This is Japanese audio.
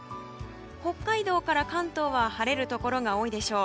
北海道から関東は晴れるところが多いでしょう。